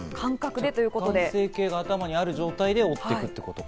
成形が頭の中にある状態で折っているということか。